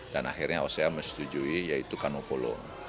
dan akhirnya oca menyetujui yaitu kanopolo